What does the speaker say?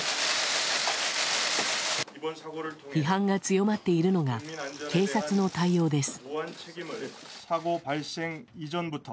批判が強まっているのが警察の対応です。